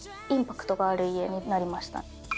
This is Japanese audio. インパクトがある家になりました。